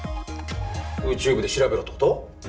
Ｕ宙ｂｅで調べろってこと？